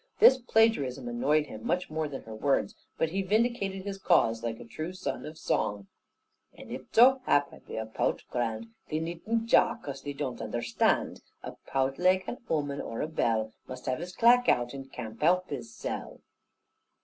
This plagiarism annoyed him much more than her words: but he vindicated his cause, like a true son of song. "And if zo hap, I be a pout grand, Thee needn't jah, 'cos thee doon't understand. A pout, laike a 'ooman, or a bell, Must have his clack out, and can't help hiszell."